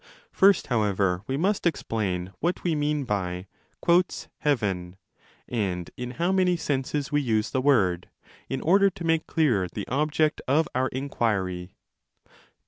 First, however, we must explain what we mean by 'heaven' τὸ and in how many senses we use the word, in order to make clearer the object of our inquiry.